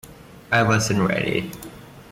I wasn't ready.